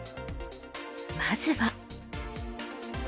まずは。